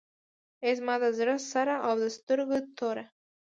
ای زما د زړه سره او د سترګو توره.